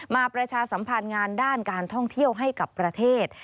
ประชาสัมพันธ์งานด้านการท่องเที่ยวให้กับประเทศ